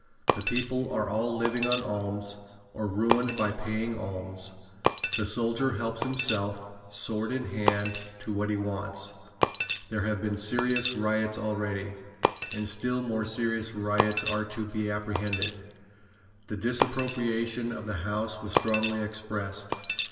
The people are all living on alms, or ruined by paying alms. The soldier helps himself, sword in hand, to what he wants. There have been serious riots already; and still more serious riots are to be apprehended." The disapprobation of the House was strongly expressed.